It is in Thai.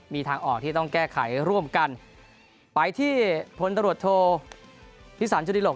มีทางออกที่ต้องแก้ไขร่ร่วมกันไปที่ผลตรวจโทรภิสรรค์จุดิหลบ